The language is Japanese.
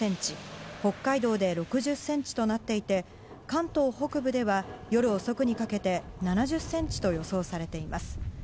北海道で６０ｃｍとなっていて関東北部では、夜遅くにかけて７０ｃｍと予想されています。